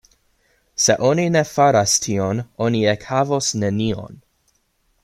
Se oni ne faras tion, oni ekhavos nenion.